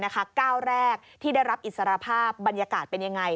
ก้าวแรกที่ได้รับอิสรภาพบรรยากาศเป็นยังไง